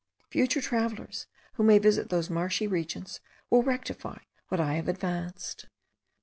Future travellers, who may visit those marshy regions, will rectify what I have advanced.